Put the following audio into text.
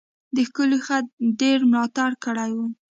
د ښکلی خط ډیر ملاتړ کړی و.